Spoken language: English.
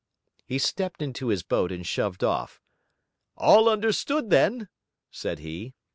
He stepped into his boat and shoved off. 'All understood, then?' said he.